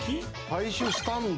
大衆食堂スタンド